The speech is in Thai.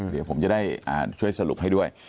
เดี๋ยวผมจะได้ช่วยสรุปให้ด้วย